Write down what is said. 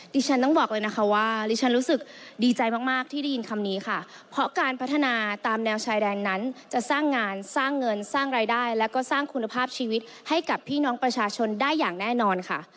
ดิฉันต้องบอกเลยนะคะว่าดิฉันรู้สึกดีใจมากมากที่ได้ยินคำนี้ค่ะเพราะการพัฒนาตามแนวชายแดนนั้นจะสร้างงานสร้างเงินสร้างรายได้แล้วก็สร้างคุณภาพชีวิตให้กับพี่น้องประชาชนได้อย่างแน่นอนค่ะ